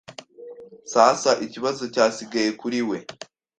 Sasa ikibazo cyasigaye kuri we,